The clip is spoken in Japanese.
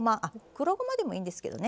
黒ごまでもいいんですけどね